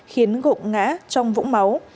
khiến gộng ngá trong vũng máu